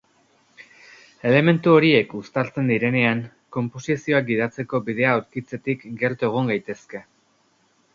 Elementu horiek uztartzen direnean, konposizioa gidatzeko bidea aurkitzetik gertu egon gaitezke.